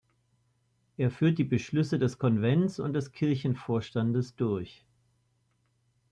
Er führt die Beschlüsse des Konvents und des Kirchenvorstandes durch.